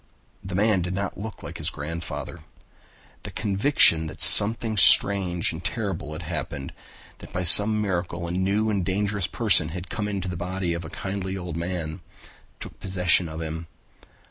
The man did not look like his grandfather. The conviction that something strange and terrible had happened, that by some miracle a new and dangerous person had come into the body of the kindly old man, took possession of him.